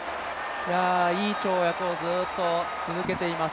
いい跳躍をずっと続けています。